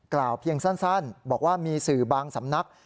กล่าวเพียงสั้นบอกว่ามีสื่อบางสำนัก